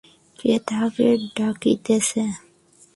কে তাহাকে ডাকিতেছে?